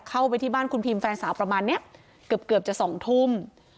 เข้าไปที่บ้านคุณพิมแฟนสาวประมาณนี้เกือบจะ๒ทุ่ม